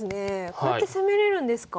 こうやって攻めれるんですか。